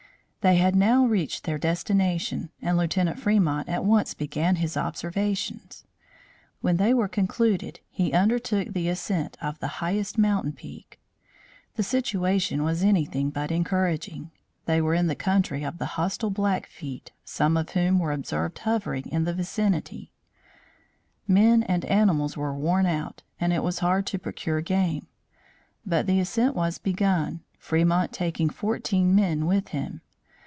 They had now reached their destination and Lieutenant Fremont at once began his observations. When they were concluded he undertook the ascent of the highest mountain peak. The situation was anything but encouraging: they were in the country of the hostile Blackfeet, some of whom were observed hovering in the vicinity; men and animals were worn out and it was hard to procure game. But the ascent was begun, Fremont taking fourteen men with him.